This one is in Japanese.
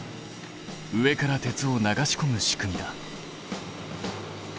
上から鉄を流しこむ仕組みだ。